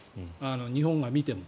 日本が見ても。